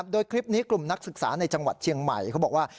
โดยคลิปนี้กลุ่มนักศึกษาในจังหวัดเชียงใหม่เขาบอกว่า